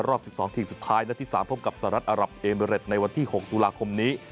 รอบ๑๒ทีมสุดท้ายนัดที่๓พบกับสหรัฐอารับเอเมริตในวันที่๖ตุลาคมนี้